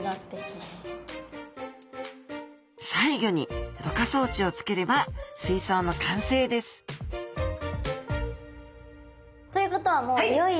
最後にろ過装置を付ければ水槽の完成ですということはもういよいよ。